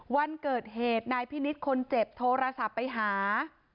วันเกิดเหตุนายพินิษฐ์คนเจ็บโทรศัพท์ไปหา